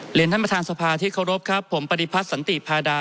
เรียนท่านประธานสภาที่เคารพครับผมปฏิพัฒน์สันติพาดา